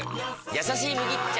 「やさしい麦茶」！